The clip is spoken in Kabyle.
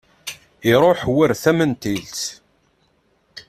Iruḥ war tamentilt.